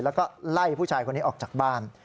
แล้วก็ไล่ผู้ชายคนนี้ออกจากบ้าน